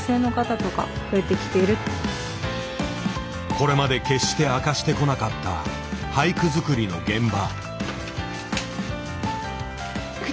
これまで決して明かしてこなかった俳句作りの現場。